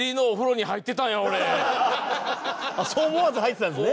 そう思わず入ってたんですね。